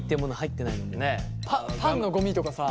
パンのゴミとかさ。